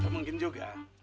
gak mungkin juga